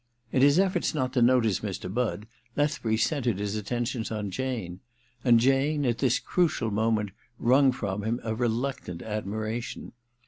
In his efForts not to notice Mr. Budd, Leth bury centred his attentions on Jane ; and Jane, at this crucial moment, wrung from him a reluctant admiration.